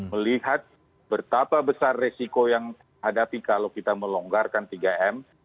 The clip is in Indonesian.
melihat betapa besar resiko yang hadapi kalau kita melonggarkan tiga m